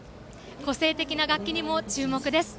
個性的な楽器にも注目です。